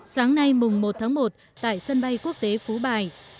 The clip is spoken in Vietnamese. sáng nay mùng một tháng một tại sân bay quốc tế phú bài